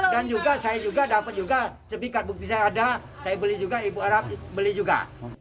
dan juga saya juga dapat juga sebikar bukti saya ada saya beli juga ibu rahaf beli juga